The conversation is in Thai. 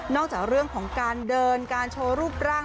จากเรื่องของการเดินการโชว์รูปร่าง